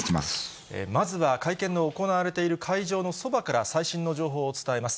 まずは会見の行われている会場のそばから最新の情報を伝えます。